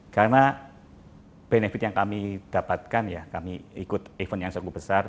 karena benefit yang kami dapatkan ya kami ikut event yang sangat besar